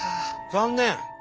残念。